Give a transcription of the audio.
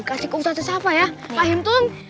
kasih ke ustazah siapa ya pak hintun